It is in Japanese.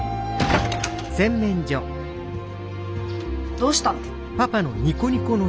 どうしたの？